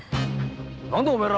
何だお前ら！